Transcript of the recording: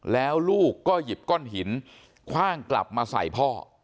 แล้วลูกก็หยิบก้อนหินคว่างกลับมาใส่พ่อ